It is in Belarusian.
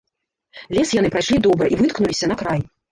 Лес яны прайшлі добра і выткнуліся на край.